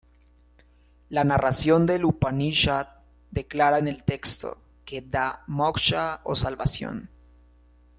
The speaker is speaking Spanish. La narración del Upanishad, declara en el texto, que da Moksha o salvación.